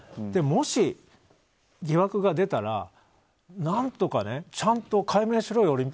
もし、疑惑が出たら何とかちゃんと解明しろよ